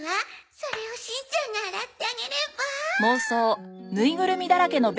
それをしんちゃんが洗ってあげれば。